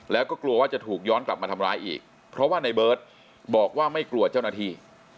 แล้วก็กลัวว่าจะถูกย้อนกลับมาทำร้ายอีกเพราะว่าในเบิร์ตบอกว่าไม่กลัวเจ้าหน้าที่